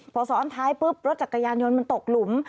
พอซ้อนท้ายปุ๊บรถจักรยานยนต์มันตกหลุม